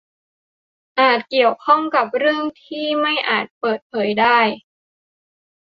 อาจเกี่ยวข้องกับเรื่องที่ไม่อาจเปิดเผยได้